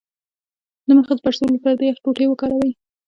د مخ د پړسوب لپاره د یخ ټوټې وکاروئ